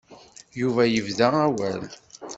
Yuba yebda awal.